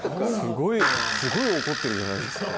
すごい怒ってるじゃないですか。